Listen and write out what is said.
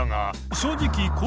正直△